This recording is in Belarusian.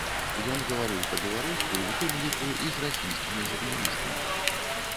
Ён гаварыў па-беларуску, у тым ліку і з расійскімі журналістамі.